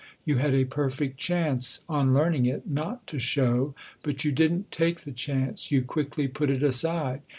You had a perfect chance, on learning it, not to show ; but you didn't take the chance, you quickly put it aside.